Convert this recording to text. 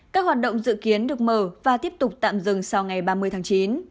các hoạt động dự kiến được mở và tiếp tục tạm dừng sau ngày ba mươi tháng chín